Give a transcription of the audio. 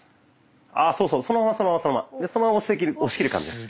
あそうそうそのままそのままそのままそのまま押し切る感じです。